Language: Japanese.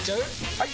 ・はい！